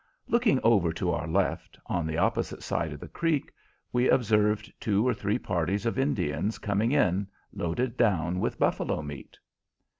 Looking over to our left, on the opposite side of the creek we observed two or three parties of Indians coming in, loaded down with buffalo meat.